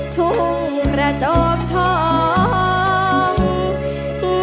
ทุ่งระจกท้อง